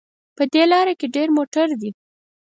په دې لاره کې ډېر موټر دي